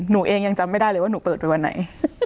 หนูเองยังจำไม่ได้เลยว่าหนูเปิดไปวันไหน